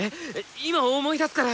今思い出すから！